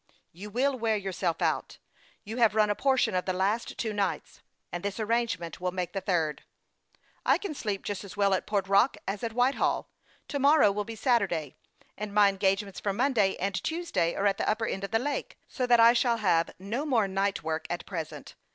" You will wear yourself out. You have run a portion of the last two nights, and this arrangement will make the third." " I can sleep just as well at Port Rock as at White hall. To morrow will be Saturday, and my engage ments for Monday and Tuesday are at the upper end of the lake, so that I shall have no more night work at present.